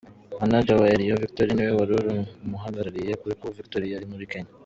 Manager wa Erion Victory niwe wari umuhagarariye kuko Victory yari muri Kenya.